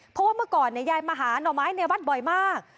เพราะว่าเมื่อก่อนยายมาหาหน่อไม้ในวัดบ่อยมาก